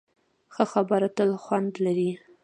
ښه خبره تل خوند لري.